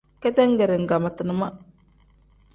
Ketengere nkangmatina ma.